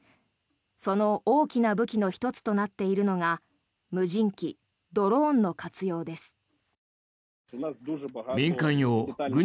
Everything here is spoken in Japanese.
その大きな武器の１つとなっているのが無人機ドローンの活用です。